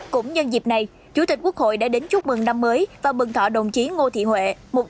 cũng nhân dịp này chủ tịch quốc hội đã đến chúc mừng năm mới và mừng thọ đồng chí ngô thị huệ